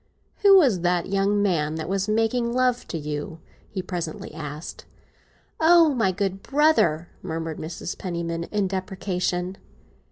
"Who was the young man that was making love to you?" he presently asked. "Oh, my good brother!" murmured Mrs. Penniman, in deprecation.